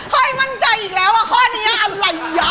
เฮ้ยมั่นใจอีกแล้วว่าข้ออนุญาณอะไรย้า